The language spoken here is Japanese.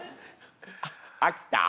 飽きた？